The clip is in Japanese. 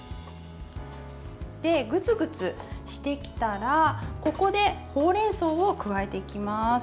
グツグツしてきたら、ここでほうれんそうを加えていきます。